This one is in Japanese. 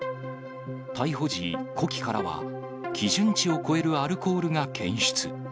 逮捕時、呼気からは基準値を超えるアルコールが検出。